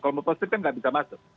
kalau mau positif kan nggak bisa masuk